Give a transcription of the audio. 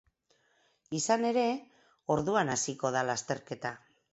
Izan ere, orduan hasiko da lasterketa.